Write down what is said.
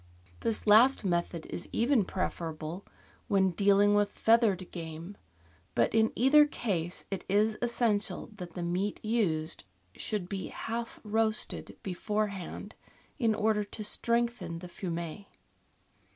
This last method is even preferable when dealing with feathered game, but in either case it is essential that the meat used should be half roasted beforehand, in order to strengthen the fumet.